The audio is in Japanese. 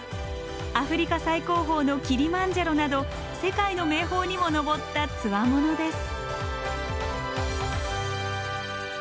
アフリカ最高峰のキリマンジャロなど世界の名峰にも登ったつわものです。